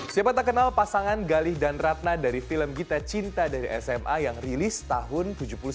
siapa tak kenal pasangan galih dan ratna dari film gita cinta dari sma yang rilis tahun seribu sembilan ratus tujuh puluh sembilan